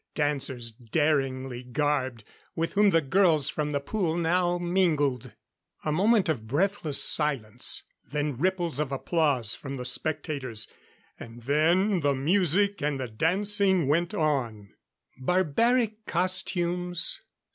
Dancers daringly garbed, with whom the girls from the pool now mingled. A moment of breathless silence; then ripples of applause from the spectators. And then the music and the dancing went on. Barbaric costumes?